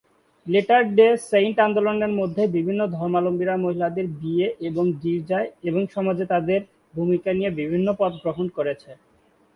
Letter Day Saint আন্দোলনের মধ্যে বিভিন্ন ধর্মাবলম্বীরা মহিলাদের বিষয়ে এবং গির্জায় এবং সমাজে তাদের ভূমিকা নিয়ে বিভিন্ন পথ গ্রহণ করেছে।